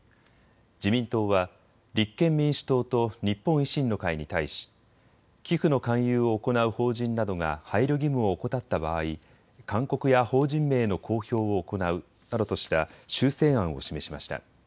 自民党は立憲民主党と日本維新の会に対し寄付の勧誘を行う法人などが配慮義務を怠った場合、勧告や法人名の公表を行うなどとした修正案を示しました。